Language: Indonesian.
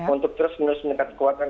untuk terus menerus meningkat kekuatan